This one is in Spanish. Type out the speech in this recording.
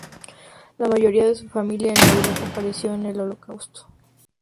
La mayoría de su familia en Europa pereció en el Holocausto.